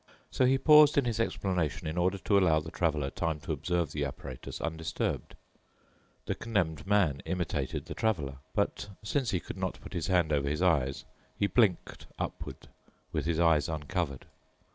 So he paused in his explanation in order to allow the Traveler time to observe the apparatus undisturbed. The Condemned Man imitated the Traveler, but since he could not put his hand over his eyes, he blinked upward with his eyes uncovered.